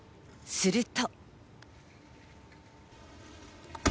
すると。